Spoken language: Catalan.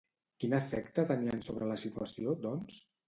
Quin efecte tenien sobre la situació, doncs?